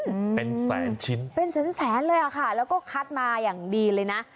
อืมเป็นแสนชิ้นเป็นแสนแสนเลยอ่ะค่ะแล้วก็คัดมาอย่างดีเลยนะ